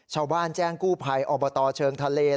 ชาวบ้านแจ้งกู้ภัยอบตเชิงทะเล